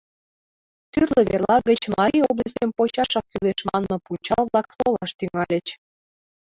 Тӱрлӧ верла гыч «Марий областьым почашак кӱлеш» манме пунчал-влак толаш тӱҥальыч.